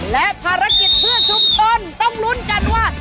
และภารกิจเพื่อนชุมชนต้องลุ้นกันว่า